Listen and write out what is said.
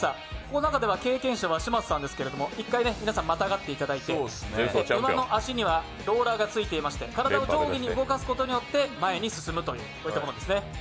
この中では経験者は嶋佐さんですけれども、１回、皆さん、またがっていただいて馬の足にはローラーがついていて体を上下に動かすことによって前に進むものです。